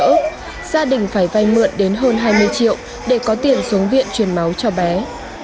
gia đình phải vay mượn đến hơn hai mươi triệu để có tiền xuống viện chuyển máu cho bé